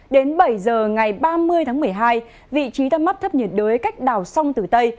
đến bảy giờ ngày ba mươi tháng một mươi hai vị trí tâm áp thấp nhiệt đới cách đảo sông tử tây